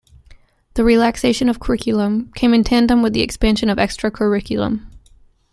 The relaxation of curriculum came in tandem with expansion in the extracurriculum.